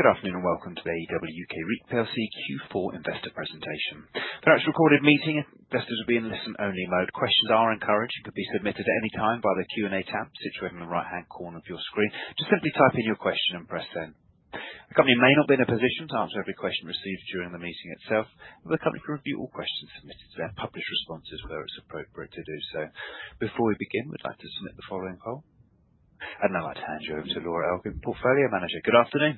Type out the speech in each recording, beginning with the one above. Good afternoon and welcome to the AEW UK REIT plc Q4 investor presentation. For our recorded meeting, investors will be in listen-only mode. Questions are encouraged and could be submitted at any time via the Q&A tab situated in the right-hand corner of your screen. Just simply type in your question and press send. The company may not be in a position to answer every question received during the meeting itself, but the company can review all questions submitted to them, publish responses where it's appropriate to do so. Before we begin, we'd like to submit the following poll, and I'd like to hand you over to Laura Elkin, Portfolio Manager. Good afternoon.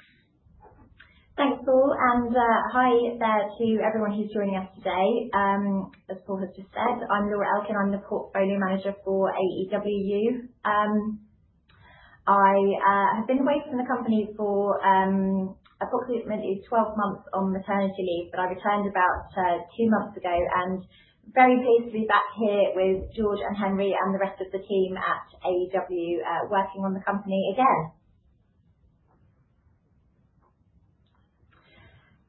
Thanks, Paul, and hi there to everyone who's joining us today. As Paul has just said, I'm Laura Elkin. I'm the Portfolio Manager for AEWU. I have been away from the company for approximately 12 months on maternity leave, but I returned about two months ago and very pleased to be back here with George and Henry and the rest of the team at AEWU working on the company again.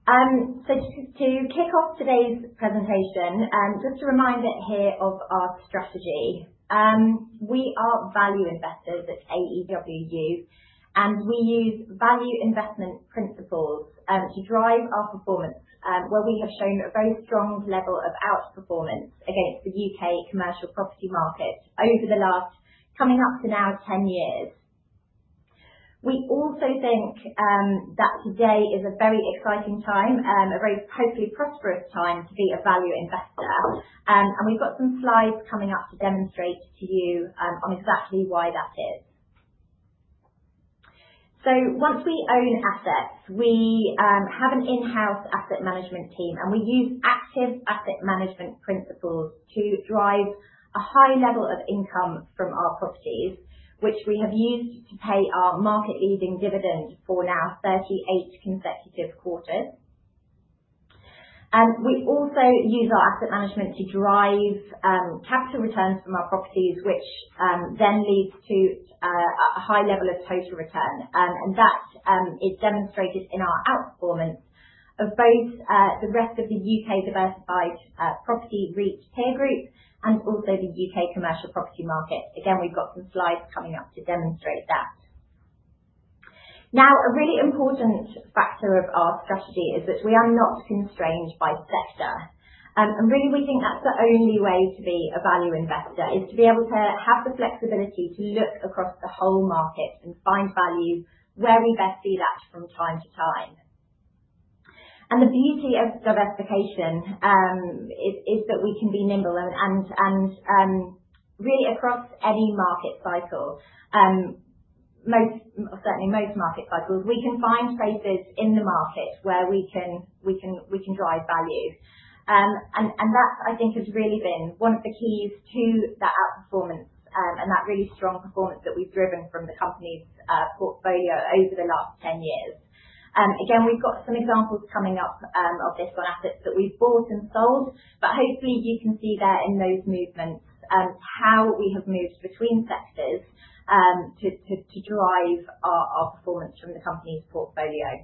To kick off today's presentation, just a reminder here of our strategy. We are value investors at AEW UK REIT, and we use value investment principles to drive our performance, where we have shown a very strong level of outperformance against the UK commercial property market over the last coming up to now 10 years. We also think that today is a very exciting time, a very hopefully prosperous time to be a value investor, and we've got some slides coming up to demonstrate to you on exactly why that is. Once we own assets, we have an in-house asset management team, and we use active asset management principles to drive a high level of income from our properties, which we have used to pay our market-leading dividend for now 38 consecutive quarters. We also use our asset management to drive capital returns from our properties, which then leads to a high level of total return, and that is demonstrated in our outperformance of both the rest of the U.K. diversified property REITs peer group and also the U.K. commercial property market. Again, we've got some slides coming up to demonstrate that. Now, a really important factor of our strategy is that we are not constrained by sector, and really we think that's the only way to be a value investor is to be able to have the flexibility to look across the whole market and find value where we best see that from time to time. The beauty of diversification is that we can be nimble and really across any market cycle, most certainly most market cycles, we can find places in the market where we can drive value. That, I think, has really been one of the keys to that outperformance and that really strong performance that we've driven from the company's portfolio over the last 10 years. Again, we've got some examples coming up of this on assets that we've bought and sold, but hopefully you can see there in those movements how we have moved between sectors to drive our performance from the company's portfolio.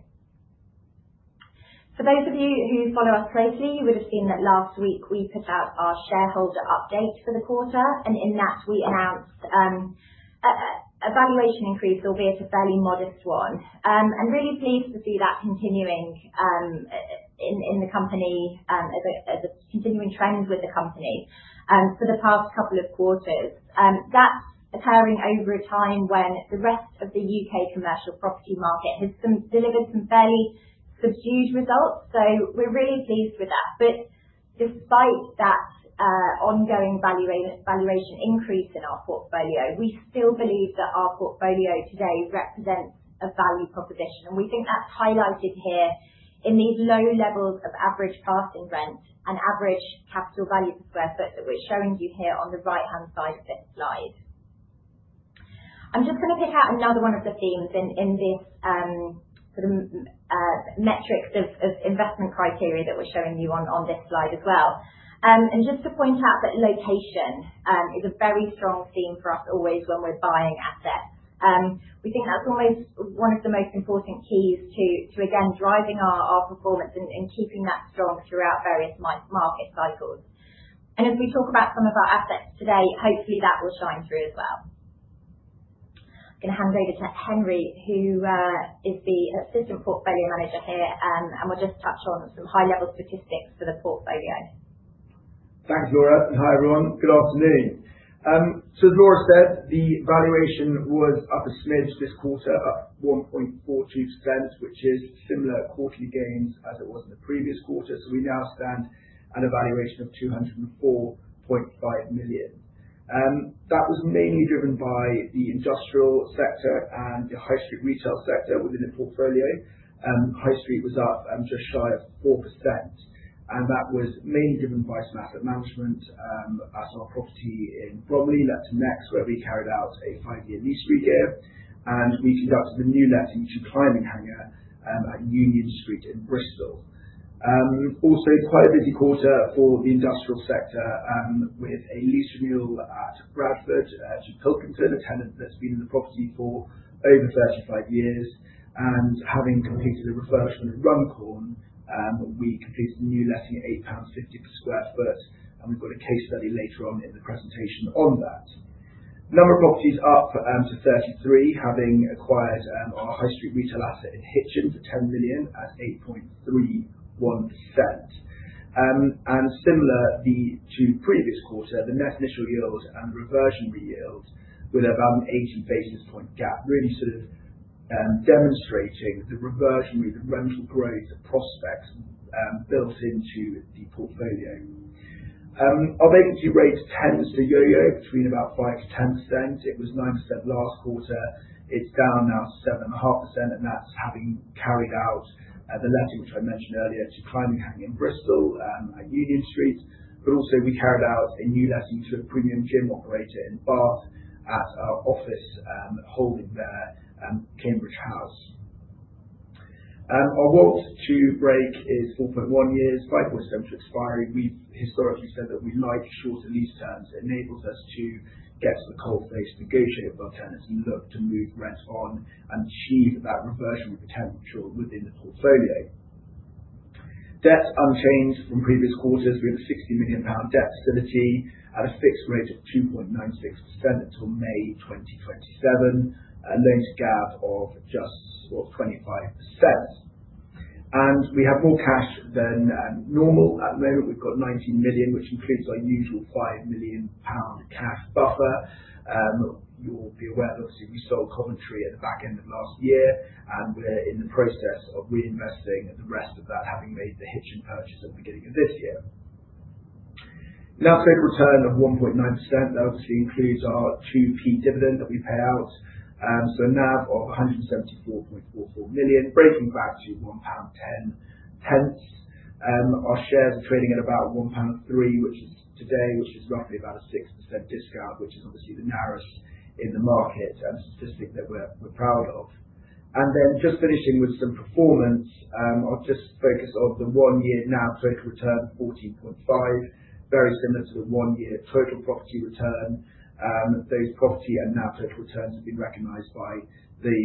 For those of you who follow us closely, you would have seen that last week we put out our shareholder update for the quarter, and in that we announced a valuation increase, albeit a fairly modest one, and really pleased to see that continuing in the company as a continuing trend with the company for the past couple of quarters. That's occurring over a time when the rest of the U.K. commercial property market has delivered some fairly subdued results, so we're really pleased with that. Despite that ongoing valuation increase in our portfolio, we still believe that our portfolio today represents a value proposition, and we think that is highlighted here in these low levels of average passing rent and average capital value per sq ft that we are showing you here on the right-hand side of this slide. I am just going to pick out another one of the themes in this sort of metrics of investment criteria that we are showing you on this slide as well. Just to point out that location is a very strong theme for us always when we are buying assets. We think that is almost one of the most important keys to, again, driving our performance and keeping that strong throughout various market cycles. As we talk about some of our assets today, hopefully that will shine through as well. I'm going to hand over to Henry, who is the Assistant Portfolio Manager here, and we'll just touch on some high-level statistics for the portfolio. Thanks, Laura, and hi everyone. Good afternoon. As Laura said, the valuation was up a smidge this quarter, up 1.42%, which is similar quarterly gains as it was in the previous quarter. We now stand at a valuation of 204.5 million. That was mainly driven by the industrial sector and the high street retail sector within the portfolio. High street was up just shy of 4%, and that was mainly driven by some asset management at our property in Bromley, Next, where we carried out a five-year lease review, and we conducted the new Climbing Hanger at Union Street in Bristol. Also, quite a busy quarter for the industrial sector with a lease renewal at Bradford to Pilkington, a tenant that's been in the property for over 35 years. Having completed the refurbishment of Runcorn, we completed the new letting at 8.50 pounds per sq ft, and we've got a case study later on in the presentation on that. Number of properties up to 33, having acquired our high street retail asset in Hitchin for 10 million at 8.31%. Similar to previous quarter, the net initial yield and the reversion yield with about an 18 basis point gap really sort of demonstrating the reversion rate of rental growth, the prospects built into the portfolio. Our vacancy rate tends to yo-yo between about 5%-10%. It was 9% last quarter. It's down now to 7.5%, and that's having carried out the letting which I mentioned earlier to Climbing Hangar in Bristol at Union Street. We also carried out a new letting to a premium gym operator in Bath at our office holding there at Cambridge House. Our WALT to break is 4.1 years, 5.7% expiry. We've historically said that we like shorter lease terms. It enables us to get to the cold face, negotiate with our tenants, and look to move rent on and achieve that reversion with the tenant control within the portfolio. Debt unchanged from previous quarters. We have a GBP 60 million debt facility at a fixed rate of 2.96% until May 2027, a loan to GAV of just, well, 25%. And we have more cash than normal. At the moment, we've got 19 million, which includes our usual 5 million pound cash buffer. You'll be aware, obviously, we sold Coventry at the back end of last year, and we're in the process of reinvesting the rest of that, having made the Hitchin purchase at the beginning of this year. Net over return of 1.9%. That obviously includes our two p dividend that we pay out. So a NAV of 174.44 million, breaking back to GBP 1.10. Our shares are trading at about GBP 1.03 today, which is roughly about a 6% discount, which is obviously the narrowest in the market and statistic that we're proud of. Just finishing with some performance, I'll just focus on the one-year NAV total return of 14.5%, very similar to the one-year total property return. Those property and NAV total returns have been recognized by the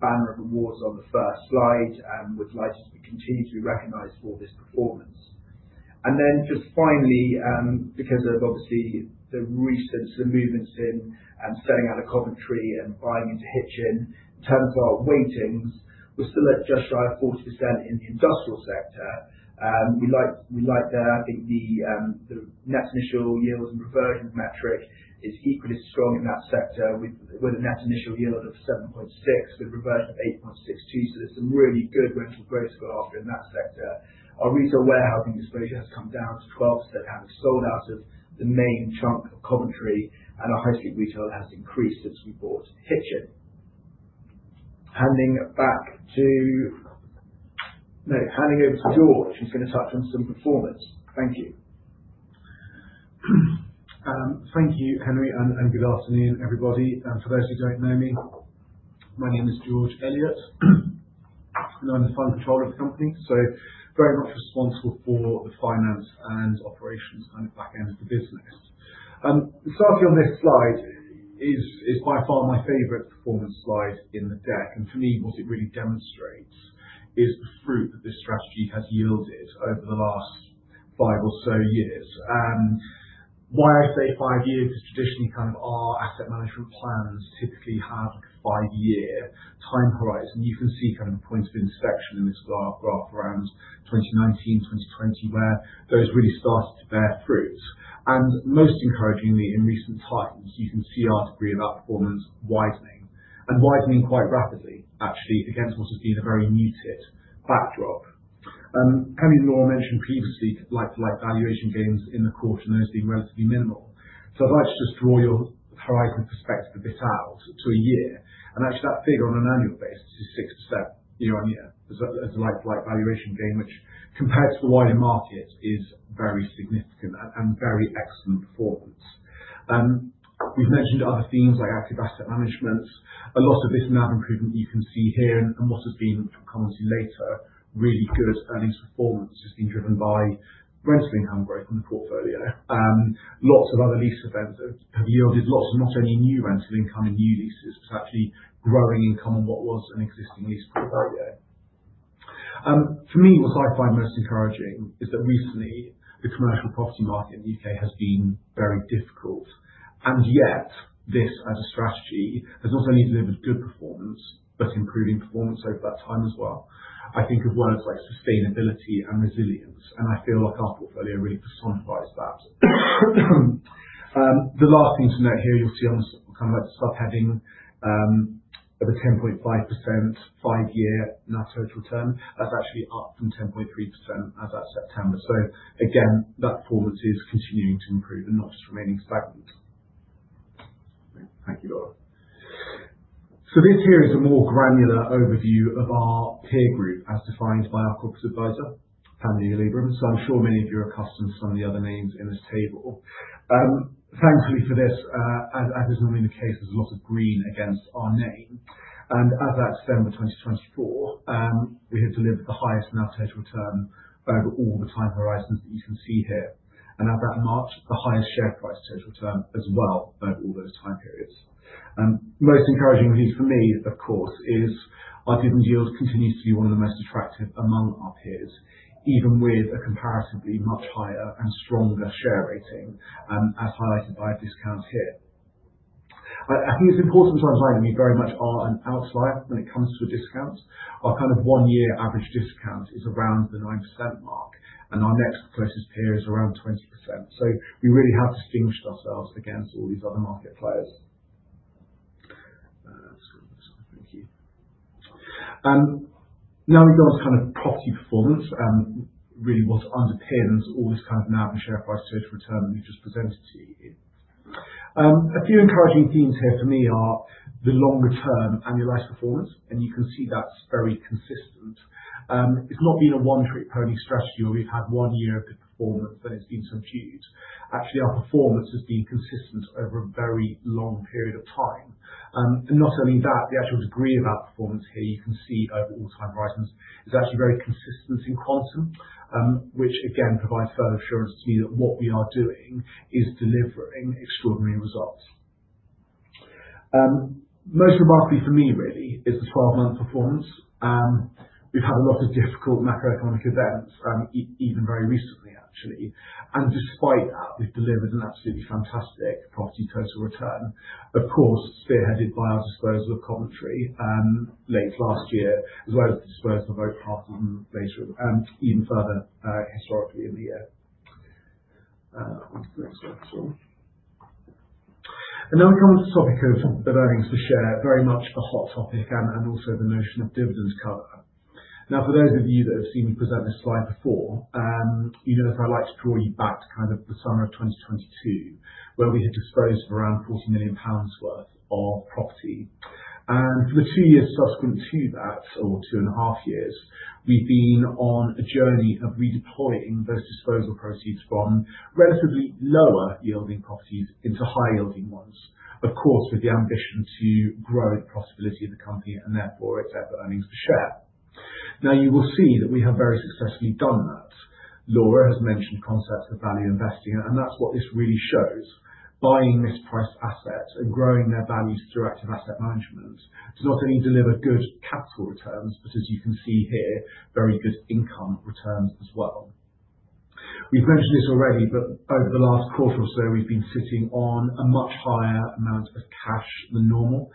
banner of awards on the first slide and would like to continue to be recognized for this performance. Just finally, because of obviously the recent movements in selling out of Coventry and buying into Hitchin, in terms of our weightings, we're still at just shy of 40% in the industrial sector. We like there, I think the net initial yield and reversion metric is equally strong in that sector with a net initial yield of 7.6% with reversion of 8.62%. So there's some really good rental growth to go after in that sector. Our retail warehousing exposure has come down to 12%, having sold out of the main chunk of Coventry, and our high street retail has increased since we bought Hitchin. Handing back to, no, handing over to George, who's going to touch on some performance. Thank you. Thank you, Henry, and good afternoon, everybody. For those who do not know me, my name is George Elliot, and I am the Fund Controller of the company, so very much responsible for the finance and operations kind of back end of the business. Starting on this slide is by far my favorite performance slide in the deck, and for me, what it really demonstrates is the fruit that this strategy has yielded over the last five or so years. Why I say five years is traditionally kind of our asset management plans typically have a five-year time horizon. You can see kind of a point of inspection in this graph around 2019-2020, where those really started to bear fruit. Most encouragingly, in recent times, you can see our degree of outperformance widening and widening quite rapidly, actually, against what has been a very muted backdrop. Henry and Laura mentioned previously like-to-like valuation gains in the quarter, and those being relatively minimal. I would like to just draw your horizon perspective a bit out to a year, and actually that figure on an annual basis is 6% year on year as a like-to-like valuation gain, which compared to the wider market is very significant and very excellent performance. We have mentioned other themes like active asset management. A lot of this NAV improvement you can see here and what has been from Coventry later, really good earnings performance has been driven by rental income growth in the portfolio. Lots of other lease events have yielded lots of not only new rental income and new leases, but actually growing income on what was an existing lease portfolio. For me, what I find most encouraging is that recently the commercial property market in the U.K. has been very difficult, and yet this as a strategy has not only delivered good performance, but improving performance over that time as well. I think of words like sustainability and resilience, and I feel like our portfolio really personifies that. The last thing to note here, you'll see on kind of like the subheading of a 10.5% five-year NAV total return. That's actually up from 10.3% as at September. Again, that performance is continuing to improve and not just remaining stagnant. Thank you, Laura. This here is a more granular overview of our peer group as defined by our corporate advisor, Panmure Liberum. I'm sure many of you are accustomed to some of the other names in this table. Thankfully for this, as is normally the case, there is a lot of green against our name. As at December 2024, we have delivered the highest NAV total return over all the time horizons that you can see here, and as at March, the highest share price total return as well over all those time periods. Most encouraging for me, of course, is our dividend yield continues to be one of the most attractive among our peers, even with a comparatively much higher and stronger share rating, as highlighted by a discount here. I think it is important to underline that we very much are an outlier when it comes to a discount. Our kind of one-year average discount is around the 9% mark, and our next closest peer is around 20%. We really have distinguished ourselves against all these other market players. Thank you. Now we have got to kind of property performance, really what underpins all this kind of NAV and share price total return that we have just presented to you. A few encouraging themes here for me are the longer-term annualized performance, and you can see that is very consistent. It has not been a one-trick pony strategy where we have had one year of good performance and it has been subdued. Actually, our performance has been consistent over a very long period of time. Not only that, the actual degree of outperformance here you can see over all time horizons is actually very consistent in quantum, which again provides further assurance to me that what we are doing is delivering extraordinary results. Most remarkably for me, really, is the 12-month performance. We have had a lot of difficult macroeconomic events, even very recently, actually. Despite that, we've delivered an absolutely fantastic property total return, of course, spearheaded by our disposal of Coventry late last year, as well as the disposal of Oak Park even further historically in the year. Next slide, please. Now we come on to the topic of earnings per share, very much a hot topic, and also the notion of dividend cover. Now, for those of you that have seen me present this slide before, you know that I like to draw you back to kind of the summer of 2022, where we had disposed of around 40 million pounds worth of property. For the two years subsequent to that, or two and a half years, we've been on a journey of redeploying those disposal proceeds from relatively lower yielding properties into high yielding ones, of course, with the ambition to grow the profitability of the company and therefore its earnings per share. You will see that we have very successfully done that. Laura has mentioned concepts of value investing, and that's what this really shows. Buying mispriced assets and growing their values through active asset management to not only deliver good capital returns, but as you can see here, very good income returns as well. We've mentioned this already, but over the last quarter or so, we've been sitting on a much higher amount of cash than normal.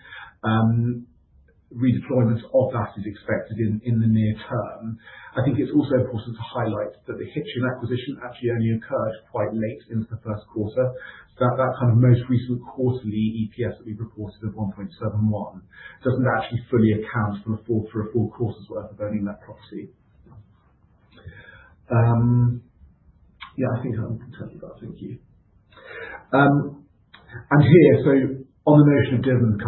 Redeployment of that is expected in the near term. I think it's also important to highlight that the Hitchin acquisition actually only occurred quite late into the first quarter. That kind of most recent quarterly EPS that we've reported of 1.71 doesn't actually fully account for a full quarter's worth of owning that property. Yeah, I think I'm telling you about it. Thank you. Here, on the notion of dividend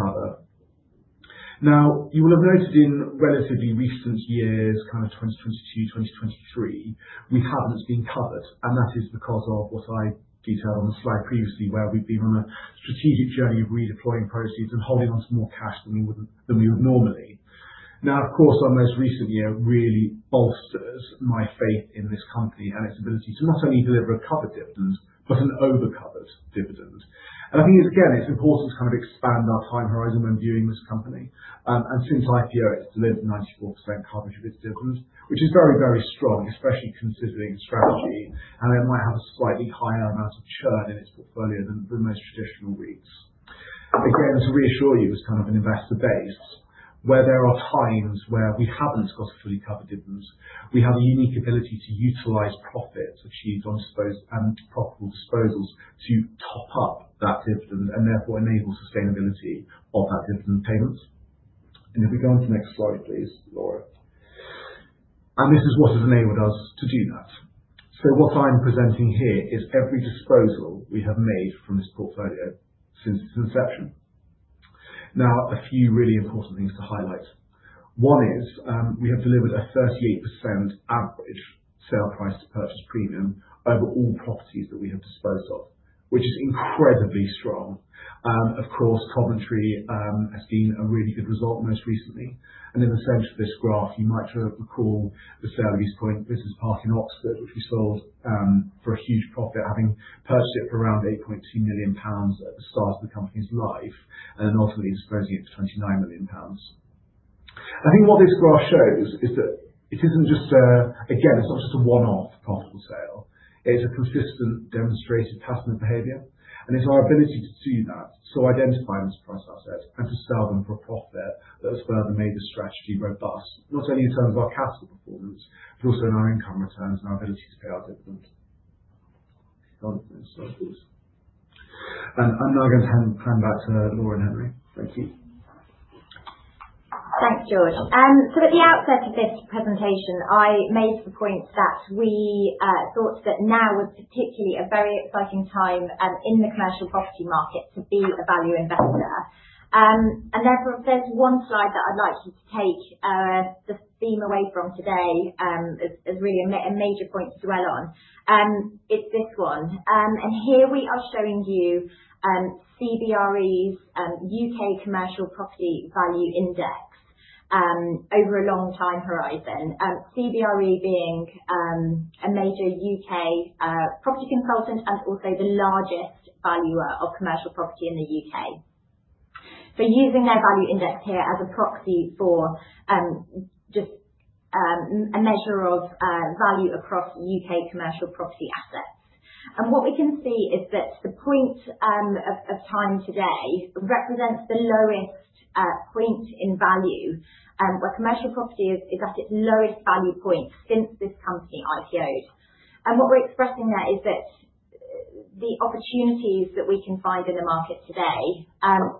cover. You will have noted in relatively recent years, kind of 2022, 2023, we haven't been covered, and that is because of what I detailed on the slide previously, where we've been on a strategic journey of redeploying proceeds and holding onto more cash than we would normally. Of course, our most recent year really bolsters my faith in this company and its ability to not only deliver a covered dividend, but an overcovered dividend. I think, again, it's important to kind of expand our time horizon when viewing this company. Since IPO, it's delivered 94% coverage of its dividend, which is very, very strong, especially considering the strategy, and it might have a slightly higher amount of churn in its portfolio than most traditional REITs. To reassure you, as kind of an investor base, where there are times where we have not got a fully covered dividend, we have a unique ability to utilize profits achieved on profitable disposals to top up that dividend and therefore enable sustainability of that dividend payment. If we go on to the next slide, please, Laura. This is what has enabled us to do that. What I'm presenting here is every disposal we have made from this portfolio since its inception. Now, a few really important things to highlight. One is we have delivered a 38% average sale price to purchase premium over all properties that we have disposed of, which is incredibly strong. Of course, Coventry has seen a really good result most recently. In the center of this graph, you might recall the sale of East Point Business Park in Oxford, which we sold for a huge profit, having purchased it for around 8.2 million pounds at the start of the company's life and then ultimately disposing it for 29 million pounds. I think what this graph shows is that it isn't just a, again, it's not just a one-off profitable sale. It's a consistent demonstrated pattern of behavior, and it's our ability to do that, to identify those price assets and to sell them for a profit that has further made the strategy robust, not only in terms of our capital performance, but also in our income returns and our ability to pay our dividend. I'm now going to hand back to Laura and Henry. Thank you. Thanks, George. At the outset of this presentation, I made the point that we thought that now was particularly a very exciting time in the commercial property market to be a value investor. There is one slide that I would like you to take the theme away from today as really a major point to dwell on. It is this one. Here we are showing you CBRE's UK Commercial Property Value Index over a long time horizon, CBRE being a major UK property consultant and also the largest valuer of commercial property in the UK. Using their value index here as a proxy for just a measure of value across UK commercial property assets. What we can see is that the point of time today represents the lowest point in value where commercial property is at its lowest value point since this company IPO'd. What we are expressing there is that the opportunities that we can find in the market today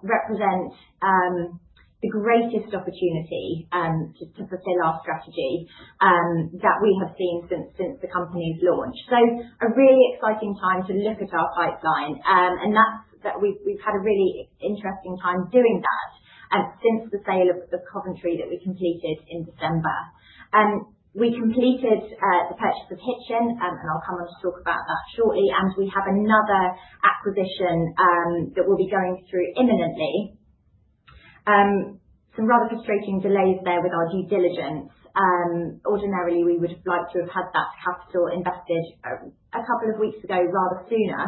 represent the greatest opportunity to fulfill our strategy that we have seen since the company's launch. It is a really exciting time to look at our pipeline, and we have had a really interesting time doing that since the sale of Coventry that we completed in December. We completed the purchase of Hitchin, and I will come on to talk about that shortly, and we have another acquisition that will be going through imminently. There have been some rather frustrating delays with our due diligence. Ordinarily, we would have liked to have had that capital invested a couple of weeks ago, rather sooner,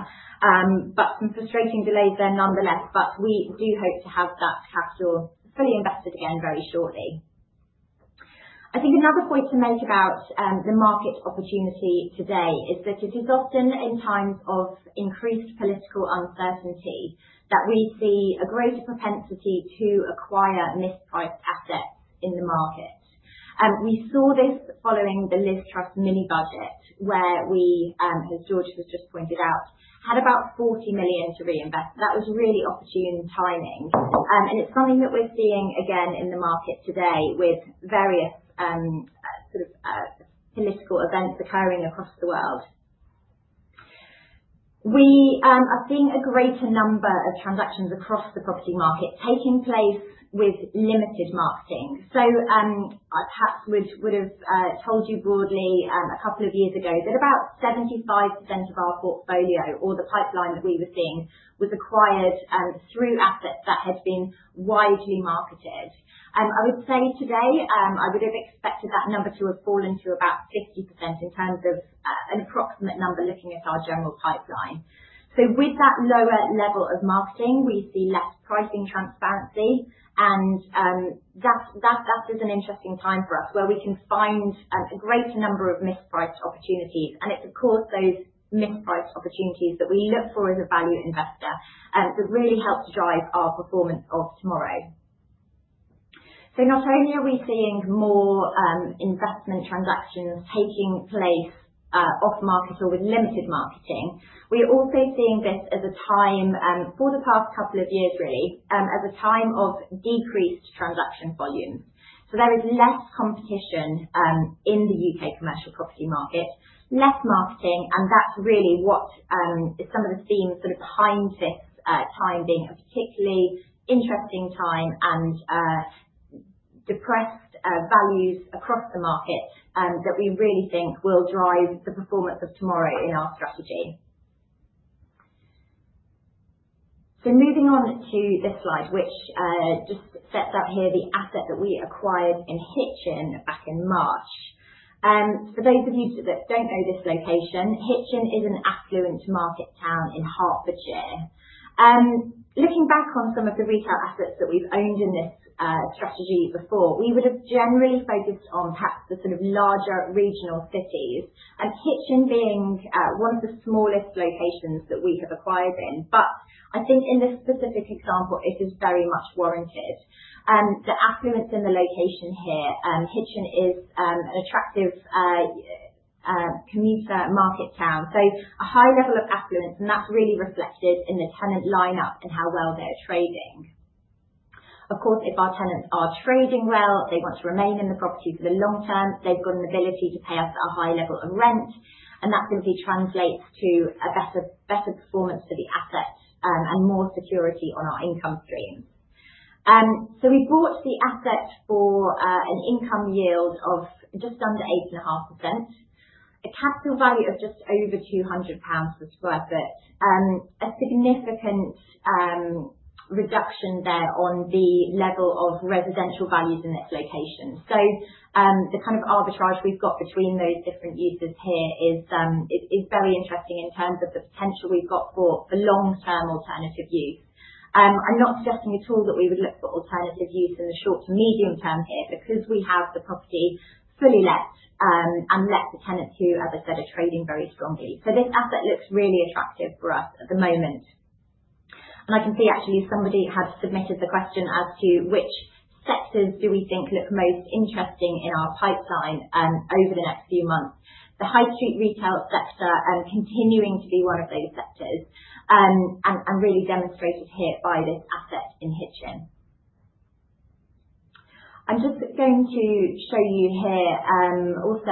but there have been some frustrating delays nonetheless, but we do hope to have that capital fully invested again very shortly. I think another point to make about the market opportunity today is that it is often in times of increased political uncertainty that we see a greater propensity to acquire mispriced assets in the market. We saw this following the Liz Truss's mini budget, where we, as George has just pointed out, had about 40 million to reinvest. That was really opportune timing. It is something that we are seeing again in the market today with various sort of political events occurring across the world. We are seeing a greater number of transactions across the property market taking place with limited marketing. I perhaps would have told you broadly a couple of years ago that about 75% of our portfolio or the pipeline that we were seeing was acquired through assets that had been widely marketed. I would say today I would have expected that number to have fallen to about 50% in terms of an approximate number looking at our general pipeline. With that lower level of marketing, we see less pricing transparency, and that is an interesting time for us where we can find a greater number of mispriced opportunities. It is, of course, those mispriced opportunities that we look for as a value investor that really help to drive our performance of tomorrow. Not only are we seeing more investment transactions taking place off market or with limited marketing, we are also seeing this as a time for the past couple of years, really, as a time of decreased transaction volumes. There is less competition in the U.K. commercial property market, less marketing, and that's really what is some of the themes sort of behind this time being a particularly interesting time and depressed values across the market that we really think will drive the performance of tomorrow in our strategy. Moving on to this slide, which just sets out here the asset that we acquired in Hitchin back in March. For those of you that don't know this location, Hitchin is an affluent market town in Hertfordshire. Looking back on some of the retail assets that we've owned in this strategy before, we would have generally focused on perhaps the sort of larger regional cities, and Hitchin being one of the smallest locations that we have acquired in. I think in this specific example, it is very much warranted. The affluence in the location here, Hitchin is an attractive commuter market town, so a high level of affluence, and that's really reflected in the tenant lineup and how well they're trading. Of course, if our tenants are trading well, they want to remain in the property for the long term, they've got an ability to pay us a high level of rent, and that simply translates to a better performance for the asset and more security on our income streams. We bought the asset for an income yield of just under 8.5%, a capital value of just over GBP 200 per sq ft, a significant reduction there on the level of residential values in this location. The kind of arbitrage we've got between those different uses here is very interesting in terms of the potential we've got for long-term alternative use. I'm not suggesting at all that we would look for alternative use in the short to medium term here because we have the property fully let and let to tenants who, as I said, are trading very strongly. This asset looks really attractive for us at the moment. I can see actually somebody had submitted the question as to which sectors do we think look most interesting in our pipeline over the next few months. The high street retail sector continuing to be one of those sectors and really demonstrated here by this asset in Hitchin. I'm just going to show you here also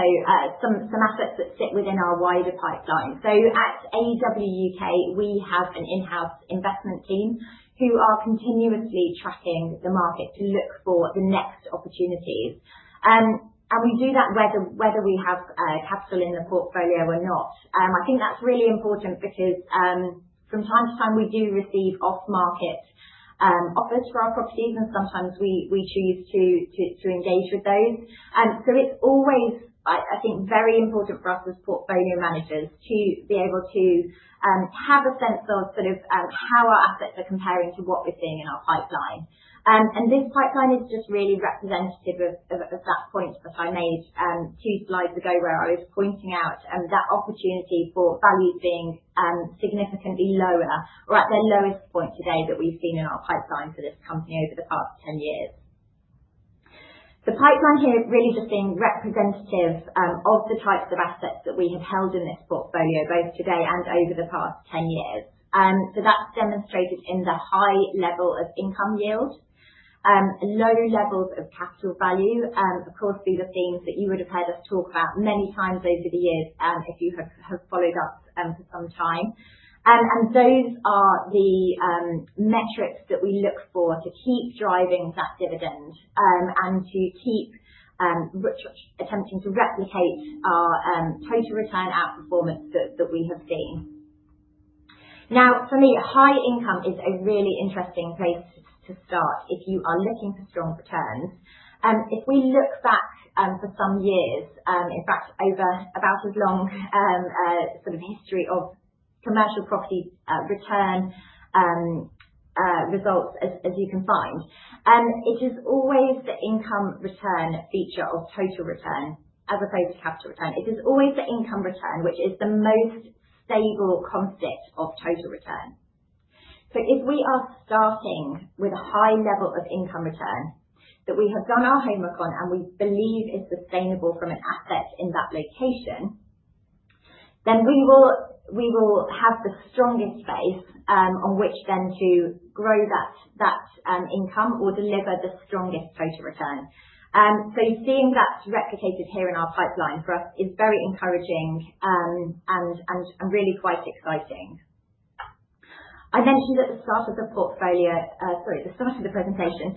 some assets that sit within our wider pipeline. At AEW UK, we have an in-house investment team who are continuously tracking the market to look for the next opportunities. We do that whether we have capital in the portfolio or not. I think that's really important because from time to time, we do receive off-market offers for our properties, and sometimes we choose to engage with those. It's always, I think, very important for us as portfolio managers to be able to have a sense of sort of how our assets are comparing to what we're seeing in our pipeline. This pipeline is just really representative of that point that I made two slides ago where I was pointing out that opportunity for values being significantly lower or at their lowest point today that we've seen in our pipeline for this company over the past 10 years. The pipeline here is really just being representative of the types of assets that we have held in this portfolio, both today and over the past 10 years. That is demonstrated in the high level of income yield, low levels of capital value. Of course, these are themes that you would have heard us talk about many times over the years if you have followed us for some time. Those are the metrics that we look for to keep driving that dividend and to keep attempting to replicate our total return outperformance that we have seen. Now, for me, high income is a really interesting place to start if you are looking for strong returns. If we look back for some years, in fact, over about as long sort of history of commercial property return results as you can find, it is always the income return feature of total return as opposed to capital return. It is always the income return, which is the most stable composite of total return. If we are starting with a high level of income return that we have done our homework on and we believe is sustainable from an asset in that location, then we will have the strongest base on which then to grow that income or deliver the strongest total return. Seeing that replicated here in our pipeline for us is very encouraging and really quite exciting. I mentioned at the start of the portfolio, sorry, at the start of the presentation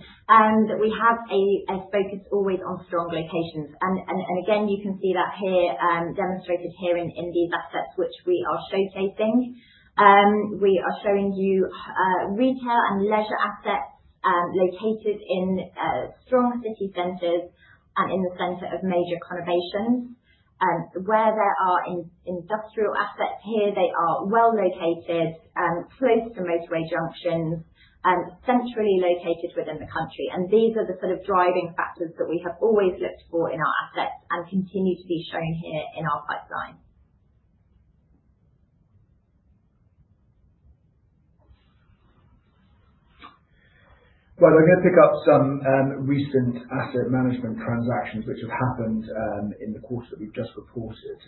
that we have a focus always on strong locations. You can see that here demonstrated in these assets which we are showcasing. We are showing you retail and leisure assets located in strong city centers and in the center of major conurbations. Where there are industrial assets here, they are well located close to motorway junctions, centrally located within the country. These are the sort of driving factors that we have always looked for in our assets and continue to be shown here in our pipeline. I'm going to pick up some recent asset management transactions which have happened in the quarter that we've just reported.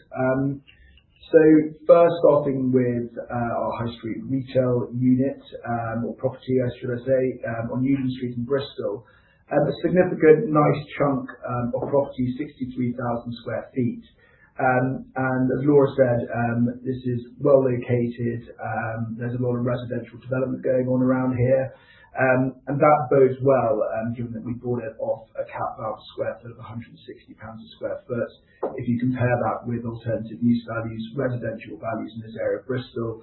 First, starting with our high street retail unit or property, I should say, on Union Street in Bristol, a significant nice chunk of property, 63,000 sq ft. As Laura said, this is well located. There's a lot of residential development going on around here. That bodes well given that we bought it off a cap at £160 a sq ft. If you compare that with alternative use values, residential values in this area of Bristol,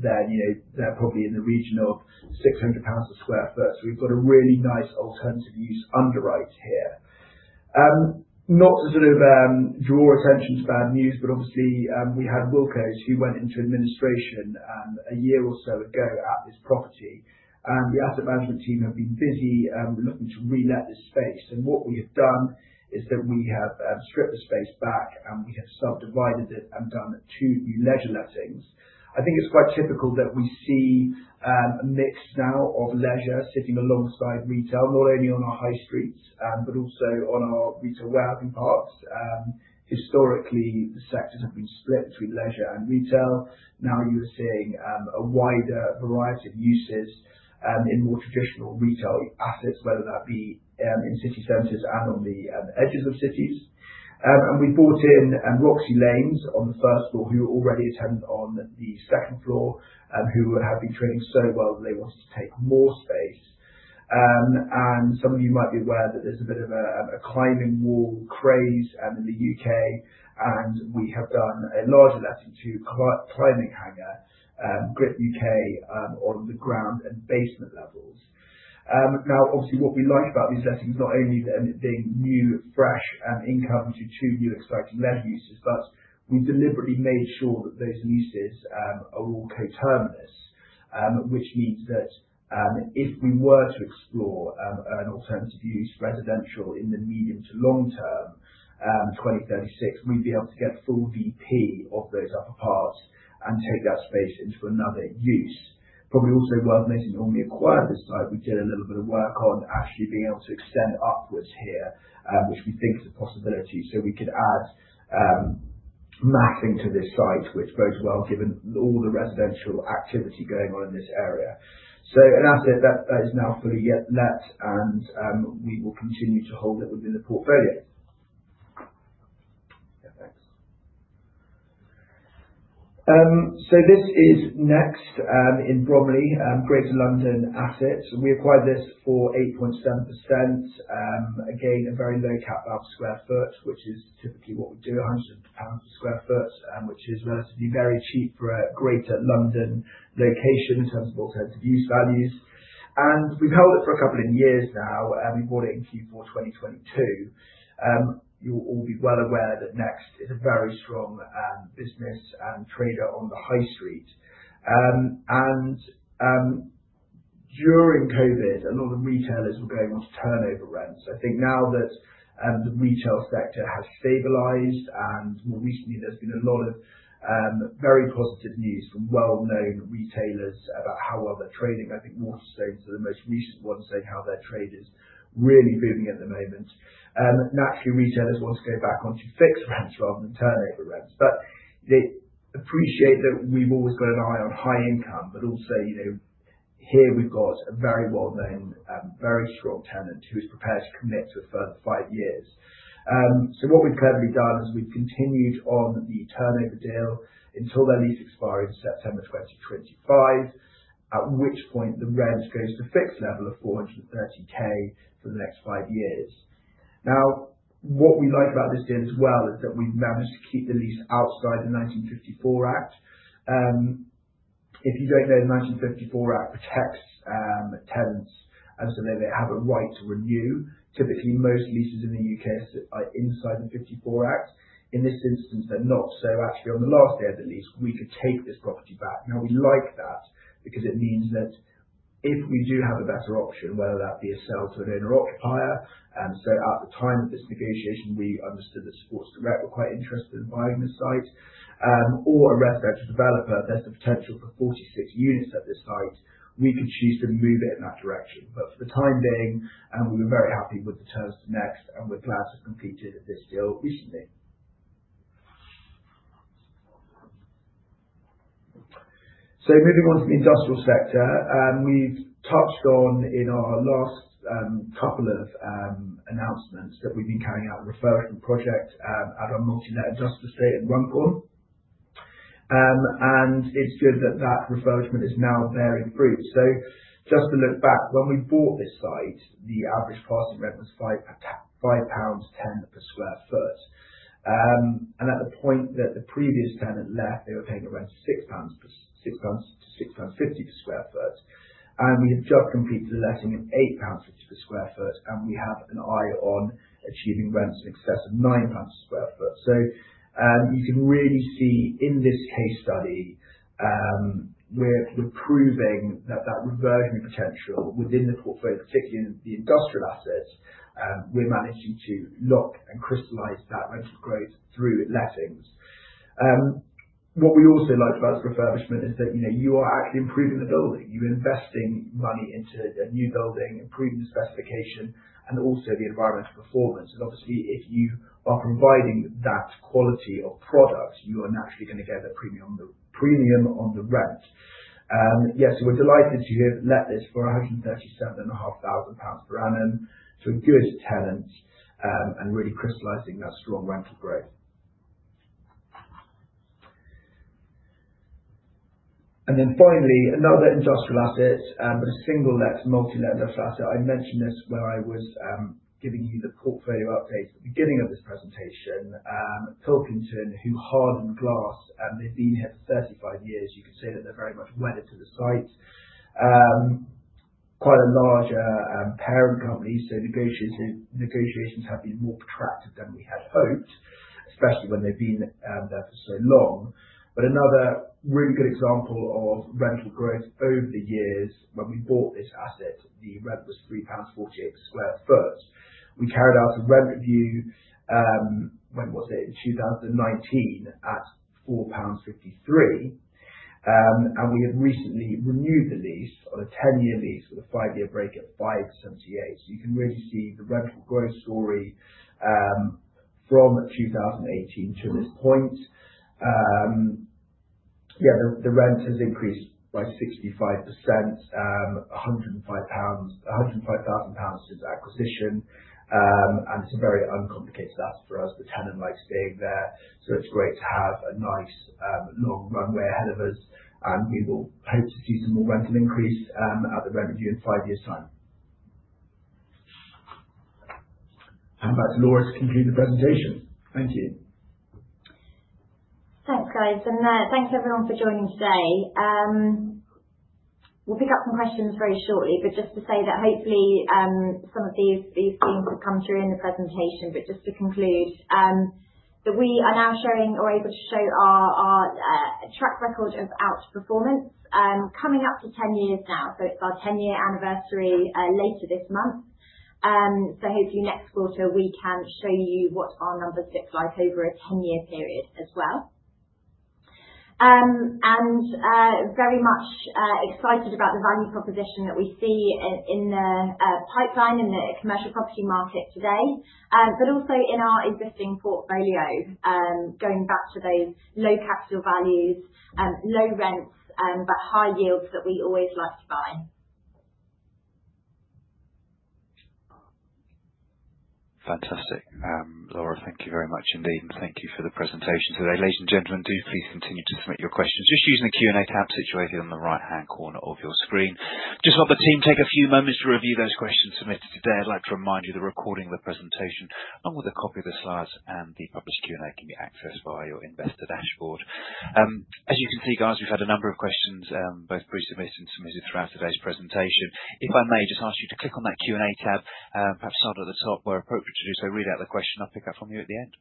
then they're probably in the region of £600 a sq ft. We've got a really nice alternative use underwrite here. Not to sort of draw attention to bad news, but obviously we had Wilko who went into administration a year or so ago at this property. The asset management team have been busy looking to re-let this space. What we have done is that we have stripped the space back and we have subdivided it and done two new leisure lettings. I think it is quite typical that we see a mix now of leisure sitting alongside retail, not only on our high streets, but also on our retail warehousing parks. Historically, the sectors have been split between leisure and retail. Now you are seeing a wider variety of uses in more traditional retail assets, whether that be in city centers and on the edges of cities. We brought in Roxy Lanes on the first floor, who already attend on the second floor and who have been trading so well that they wanted to take more space. Some of you might be aware that there is a bit of a climbing wall craze in the U.K., and we have done a larger letting to Climbing Hanger, GRIP-UK on the ground and basement levels. Now, obviously, what we like about these lettings is not only them being new, fresh, and income to two new exciting leisure uses, but we deliberately made sure that those uses are all co-terminus, which means that if we were to explore an alternative use residential in the medium to long term, 2036, we would be able to get full VP of those upper parts and take that space into another use. Probably also worth noting on the acquired this site, we did a little bit of work on actually being able to extend upwards here, which we think is a possibility. We could add matting to this site, which bodes well given all the residential activity going on in this area. An asset that is now fully let, and we will continue to hold it within the portfolio. This is Next in Bromley, Greater London assets. We acquired this for 8.7%. Again, a very low cap at £100 a sq ft, which is typically what we do, £100 a sq ft, which is relatively very cheap for a Greater London location in terms of alternative use values. We have held it for a couple of years now, and we bought it in Q4 2022. You will all be well aware that Next is a very strong business and trader on the high street. During COVID, a lot of retailers were going on to turnover rents. I think now that the retail sector has stabilized and more recently there has been a lot of very positive news from well-known retailers about how well they are trading. I think Waterstones are the most recent one saying how their trade is really booming at the moment. Naturally, retailers want to go back onto fixed rents rather than turnover rents. They appreciate that we have always got an eye on high income, but also here we have a very well-known, very strong tenant who is prepared to commit to a further five years. What we have cleverly done is we have continued on the turnover deal until their lease expires in September 2025, at which point the rent goes to a fixed level of 430,000 for the next five years. What we like about this deal as well is that we have managed to keep the lease outside the 1954 Act. If you do not know, the 1954 Act protects tenants so that they have a right to renew. Typically, most leases in the U.K. are inside the 54 Act. In this instance, they are not. Actually, on the last day of the lease, we could take this property back. We like that because it means that if we do have a better option, whether that be a sale to an owner-occupier, and at the time of this negotiation, we understood that Supports Direct were quite interested in buying this site, or a residential developer, there is the potential for 46 units at this site. We could choose to move it in that direction. For the time being, we were very happy with the terms to Next, and we are glad to have completed this deal recently. Moving on to the industrial sector, we've touched on in our last couple of announcements that we've been carrying out a refurbishment project at our multi-let industrial estate in Runcorn. It's good that that refurbishment is now bearing fruit. Just to look back, when we bought this site, the average cost in rent was 5.10 pounds per sq ft. At the point that the previous tenant left, they were paying around 6-6.50 pounds per sq ft. We have just completed the letting at 8.50 pounds per sq ft, and we have an eye on achieving rents in excess of 9 pounds per sq ft. You can really see in this case study, we're proving that that reversion potential within the portfolio, particularly in the industrial assets, we're managing to lock and crystallize that rental growth through lettings. What we also like about this refurbishment is that you are actually improving the building. You're investing money into a new building, improving the specification, and also the environmental performance. Obviously, if you are providing that quality of product, you are naturally going to get a premium on the rent. Yes, we're delighted to have let this for 137,500 pounds per annum to a good tenant and really crystallizing that strong rental growth. Finally, another industrial asset, but a single-let multi-let industrial asset. I mentioned this when I was giving you the portfolio updates at the beginning of this presentation. Pilkington, who harden glass, they've been here for 35 years. You can say that they're very much wedded to the site. Quite a large parent company, so negotiations have been more protracted than we had hoped, especially when they've been there for so long. Another really good example of rental growth over the years, when we bought this asset, the rent was 3.48 pounds a sq ft. We carried out a rent review, when was it? In 2019 at 4.53 pounds. We have recently renewed the lease on a 10-year lease with a five-year break at 5.78. You can really see the rental growth story from 2018 to this point. Yeah, the rent has increased by 65%, 105,000 pounds since acquisition. It is a very uncomplicated asset for us. The tenant likes being there. It is great to have a nice long runway ahead of us. We will hope to see some more rental increase at the rent review in five years' time. That is Laura to conclude the presentation. Thank you. Thanks, guys. Thanks, everyone, for joining today. We'll pick up some questions very shortly, but just to say that hopefully some of these themes have come through in the presentation. Just to conclude, we are now showing or able to show our track record of outperformance coming up to 10 years now. It is our 10-year anniversary later this month. Hopefully next quarter, we can show you what our numbers look like over a 10-year period as well. Very much excited about the value proposition that we see in the pipeline in the commercial property market today, but also in our existing portfolio, going back to those low capital values, low rents, but high yields that we always like to buy. Fantastic. Laura, thank you very much indeed. Thank you for the presentation today. Ladies and gentlemen, do please continue to submit your questions just using the Q&A tab situated on the right-hand corner of your screen. Just let the team take a few moments to review those questions submitted today. I'd like to remind you the recording of the presentation, along with a copy of the slides and the published Q&A, can be accessed via your investor dashboard. As you can see, guys, we've had a number of questions both pre-submitted and submitted throughout today's presentation. If I may, just ask you to click on that Q&A tab, perhaps start at the top where appropriate to do so, read out the question. I'll pick up from you at the end.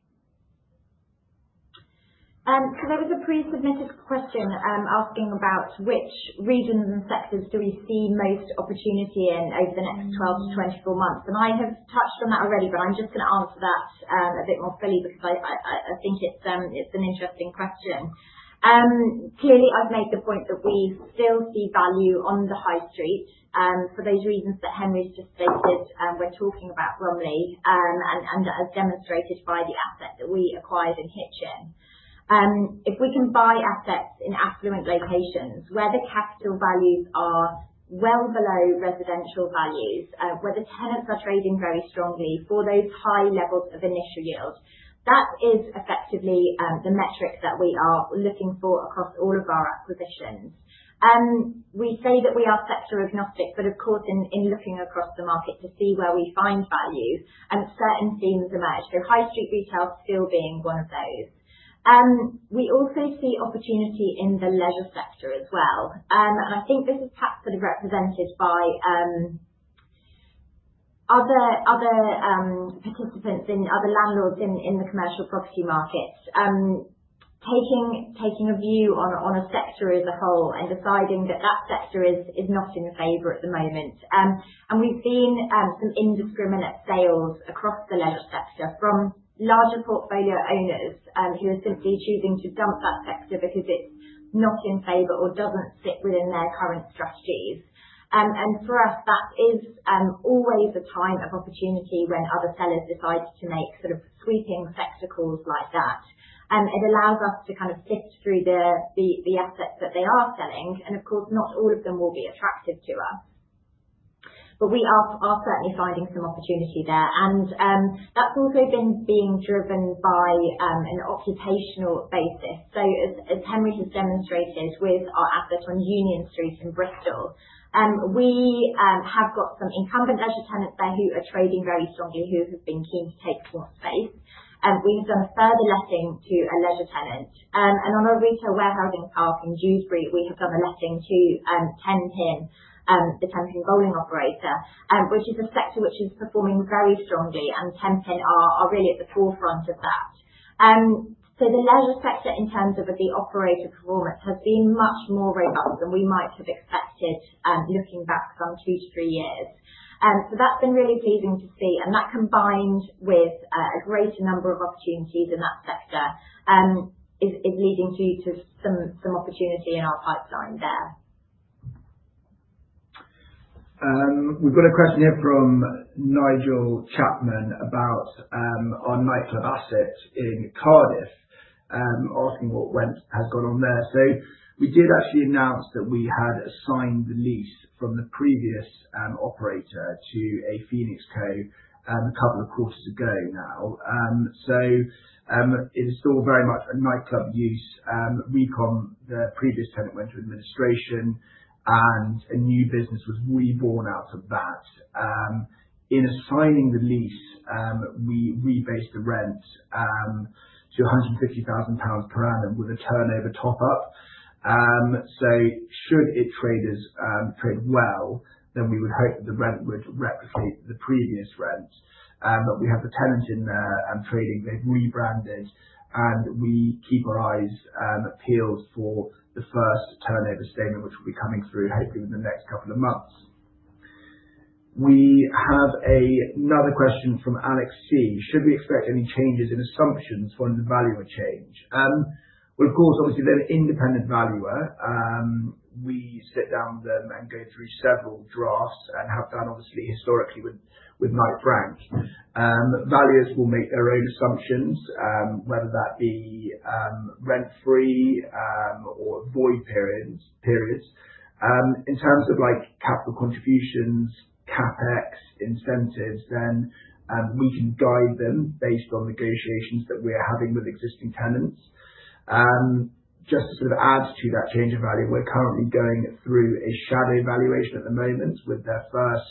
That was a pre-submitted question asking about which regions and sectors do we see most opportunity in over the next 1-24 months. I have touched on that already, but I'm just going to answer that a bit more fully because I think it's an interesting question. Clearly, I've made the point that we still see value on the high street for those reasons that Henry's just stated. We're talking about Bromley and as demonstrated by the asset that we acquired in Hitchin. If we can buy assets in affluent locations where the capital values are well below residential values, where the tenants are trading very strongly for those high levels of initial yield, that is effectively the metric that we are looking for across all of our acquisitions. We say that we are sector agnostic, but of course, in looking across the market to see where we find value, certain themes emerge. High street retail still being one of those. We also see opportunity in the leisure sector as well. I think this is perhaps sort of represented by other participants in other landlords in the commercial property markets taking a view on a sector as a whole and deciding that that sector is not in favor at the moment. We have seen some indiscriminate sales across the leisure sector from larger portfolio owners who are simply choosing to dump that sector because it is not in favor or does not sit within their current strategies. For us, that is always a time of opportunity when other sellers decide to make sort of sweeping sector calls like that. It allows us to kind of sift through the assets that they are selling. Of course, not all of them will be attractive to us. We are certainly finding some opportunity there. That is also been being driven by an occupational basis. As Henry has demonstrated with our asset on Union Street in Bristol, we have got some incumbent leisure tenants there who are trading very strongly, who have been keen to take more space. We have done a further letting to a leisure tenant. On our retail warehousing park in Dewsbury, we have done a letting to Tenpin, the Tenpin bowling operator, which is a sector which is performing very strongly. Tenpin are really at the forefront of that. The leisure sector in terms of the operator performance has been much more robust than we might have expected looking back some two to three years. That has been really pleasing to see. That combined with a greater number of opportunities in that sector is leading to some opportunity in our pipeline there. We've got a question here from Nigel Chapman about our nightclub asset in Cardiff, asking what has gone on there. We did actually announce that we had assigned the lease from the previous operator to a Phoenix CO. a couple of quarters ago now. It is still very much a nightclub use. Recon, the previous tenant, went into administration, and a new business was reborn out of that. In assigning the lease, we rebased the rent to 150,000 pounds per annum with a turnover top-up. Should it trade well, then we would hope that the rent would replicate the previous rent. We have the tenant in there and trading. They've rebranded. We keep our eyes peeled for the first turnover statement, which will be coming through hopefully within the next couple of months. We have another question from Alex C. Should we expect any changes in assumptions for the value of change? Of course, obviously, they're an independent valuer. We sit down with them and go through several drafts and have done, obviously, historically with Knight Frank. Valuers will make their own assumptions, whether that be rent-free or void periods. In terms of capital contributions, CapEx, incentives, then we can guide them based on negotiations that we're having with existing tenants. Just to sort of add to that change of value, we're currently going through a shadow valuation at the moment with their first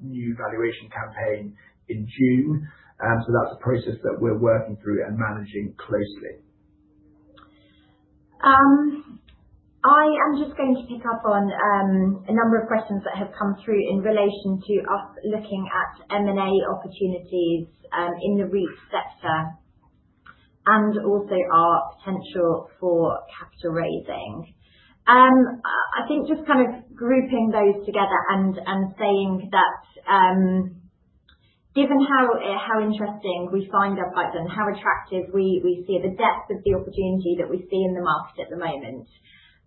new valuation campaign in June. That is a process that we're working through and managing closely. I am just going to pick up on a number of questions that have come through in relation to us looking at M&A opportunities in the REIT sector and also our potential for capital raising. I think just kind of grouping those together and saying that given how interesting we find our pipeline, how attractive we see the depth of the opportunity that we see in the market at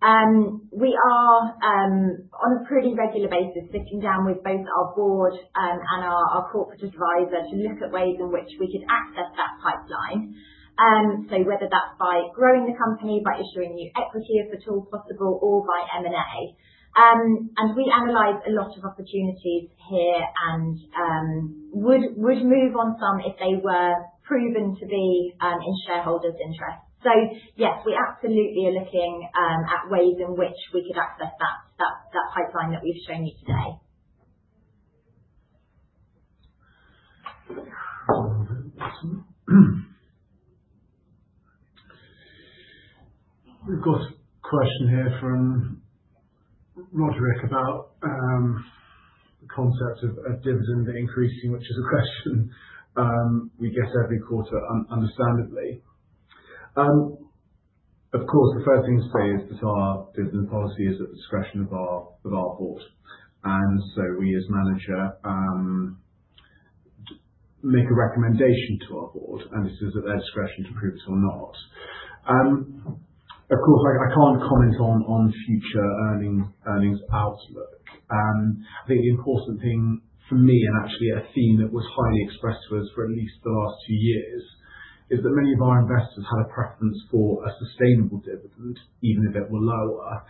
the moment, we are on a pretty regular basis sitting down with both our board and our corporate advisor to look at ways in which we could access that pipeline. Whether that is by growing the company, by issuing new equity if at all possible, or by M&A. We analyze a lot of opportunities here and would move on some if they were proven to be in shareholders' interest. Yes, we absolutely are looking at ways in which we could access that pipeline that we've shown you today. We've got a question here from Roderick about the concept of dividend increasing, which is a question we get every quarter, understandably. Of course, the first thing to say is that our dividend policy is at the discretion of our board. We, as manager, make a recommendation to our board, and this is at their discretion to approve it or not. Of course, I can't comment on future earnings outlook. I think the important thing for me, and actually a theme that was highly expressed to us for at least the last two years, is that many of our investors had a preference for a sustainable dividend, even if it were lower,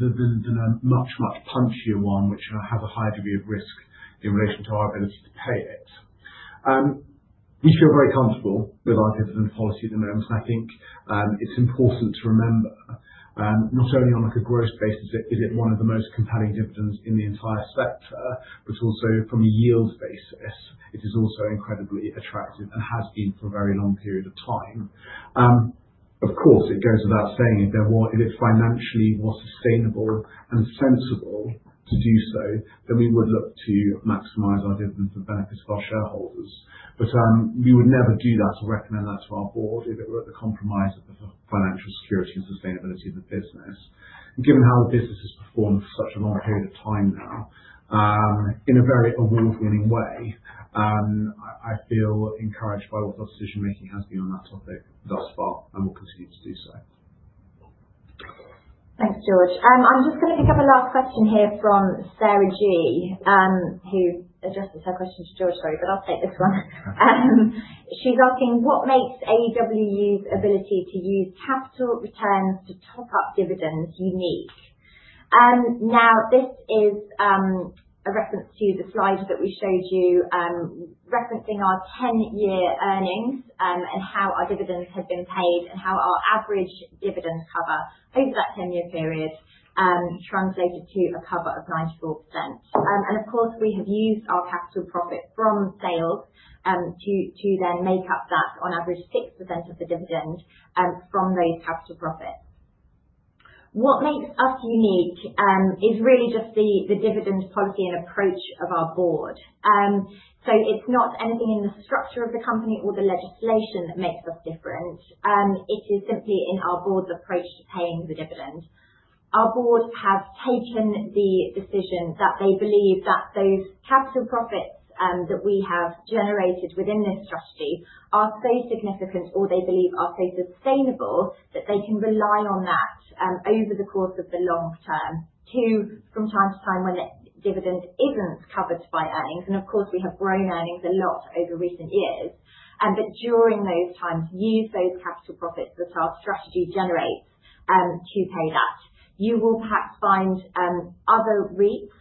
than a much, much punchier one, which has a high degree of risk in relation to our ability to pay it. We feel very comfortable with our dividend policy at the moment. I think it's important to remember, not only on a gross basis, is it one of the most compelling dividends in the entire sector, but also from a yield basis. It is also incredibly attractive and has been for a very long period of time. Of course, it goes without saying, if it financially was sustainable and sensible to do so, then we would look to maximize our dividend for the benefit of our shareholders. We would never do that or recommend that to our board if it were at the compromise of the financial security and sustainability of the business. Given how the business has performed for such a long period of time now in a very award-winning way, I feel encouraged by what our decision-making has been on that topic thus far and will continue to do so. Thanks, George. I'm just going to pick up a last question here from Sarah G, who adjusted her question to George. Sorry, but I'll take this one. She's asking, what makes AEWU's ability to use capital returns to top-up dividends unique? Now, this is a reference to the slides that we showed you, referencing our 10-year earnings and how our dividends had been paid and how our average dividend cover over that 10-year period translated to a cover of 94%. Of course, we have used our capital profit from sales to then make up that on average 6% of the dividend from those capital profits. What makes us unique is really just the dividend policy and approach of our board. It is not anything in the structure of the company or the legislation that makes us different. It is simply in our board's approach to paying the dividend. Our board has taken the decision that they believe that those capital profits that we have generated within this strategy are so significant or they believe are so sustainable that they can rely on that over the course of the long term to, from time to time, when the dividend isn't covered by earnings. Of course, we have grown earnings a lot over recent years. During those times, use those capital profits that our strategy generates to pay that. You will perhaps find other REITs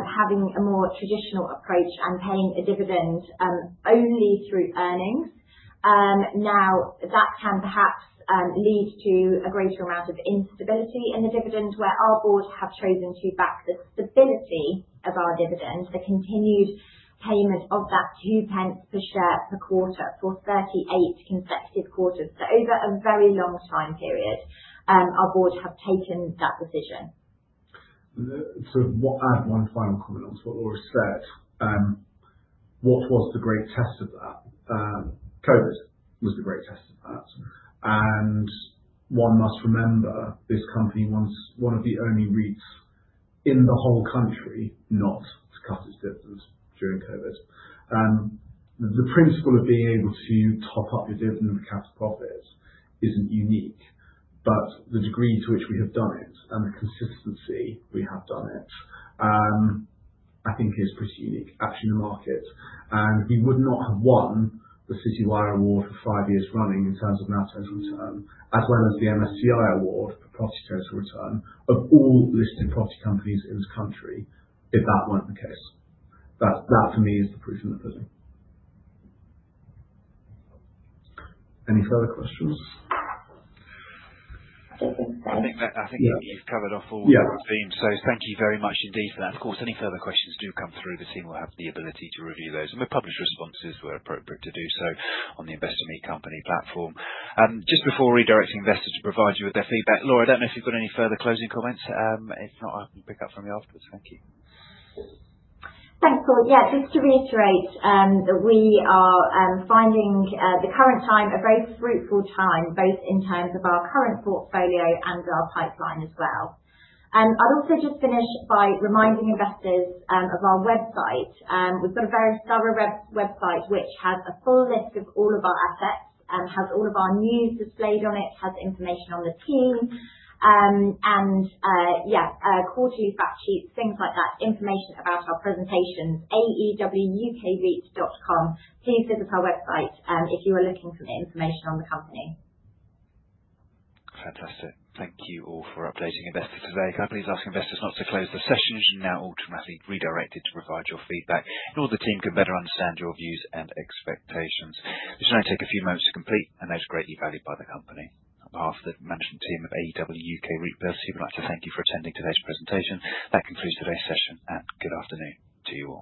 having a more traditional approach and paying a dividend only through earnings. That can perhaps lead to a greater amount of instability in the dividend where our board have chosen to back the stability of our dividend, the continued payment of that 0.02 per share per quarter for 38 consecutive quarters. Over a very long time period, our board have taken that decision. I'll add one final comment onto what Laura said. What was the great test of that? COVID was the great test of that. One must remember this company was one of the only REITs in the whole country not to cut its dividends during COVID. The principle of being able to top up your dividend with capital profits isn't unique. The degree to which we have done it and the consistency we have done it, I think, is pretty unique, actually, in the market. We would not have won the Citywire Award for five years running in terms of now total return, as well as the MSCI Award for property total return of all listed property companies in this country if that weren't the case. That, for me, is the proof in the pudding. Any further questions? I think you've covered off all of the themes. Thank you very much indeed for that. Of course, any further questions do come through, the team will have the ability to review those. We have published responses where appropriate to do so on the Investor Me company platform. Just before redirecting investors to provide you with their feedback, Laura, I do not know if you've got any further closing comments. If not, I can pick up from you afterwards. Thank you. Thanks, Paul. Yeah, just to reiterate, we are finding the current time a very fruitful time, both in terms of our current portfolio and our pipeline as well. I'd also just finish by reminding investors of our website. We've got a very thorough website, which has a full list of all of our assets, has all of our news displayed on it, has information on the team, and, yeah, quarterly fact sheets, things like that, information about our presentations, aewukreit.com. Please visit our website if you are looking for information on the company. Fantastic. Thank you all for updating investors today. Can I please ask investors not to close the session? You should now automatically be redirected to provide your feedback, in order that the team can better understand your views and expectations. This should only take a few moments to complete, and those are greatly valued by the company. On behalf of the management team of AEW UK REIT plc, we would like to thank you for attending today's presentation. That concludes today's session. Good afternoon to you all.